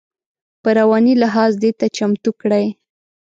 په رواني لحاظ دې ته چمتو کړي.